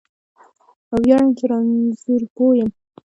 ویاړم چې رانځور پوه یم